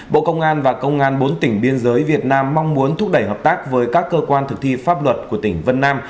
bộ công an và công an bốn tỉnh biên giới việt nam mong muốn thúc đẩy hợp tác với các cơ quan thực thi pháp luật của tỉnh vân nam